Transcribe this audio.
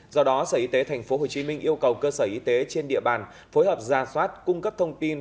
do đó sở y tế tp hcm yêu cầu cơ sở y tế trên địa bàn phối hợp ra soát cung cấp thông tin